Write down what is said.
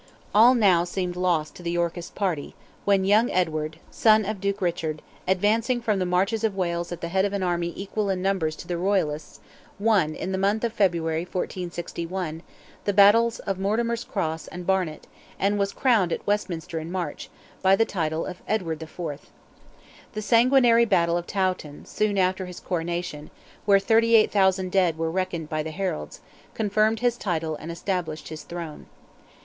All now seemed lost to the Yorkist party, when young Edward, son of Duke Richard, advancing from the marches of Wales at the head of an army equal in numbers to the royalists, won, in the month of February, 1461, the battles of Mortimers cross and Barnet, and was crowned at Westminster in March, by the title of Edward IV. The sanguinary battle of Towton, soon after his coronation, where 38,000 dead were reckoned by the heralds, confirmed his title and established his throne.